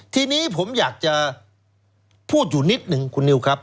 ทีนี้ผมอยากจะพูดอยู่นิดหนึ่งคุณนิวครับ